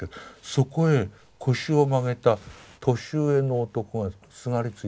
そこへ腰を曲げた年上の男がすがりついてる。